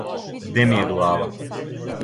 Где ми је глава?